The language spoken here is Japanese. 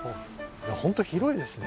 いや本当広いですね。